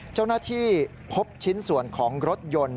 เจ้าหน้าที่พบชิ้นส่วนของรถยนต์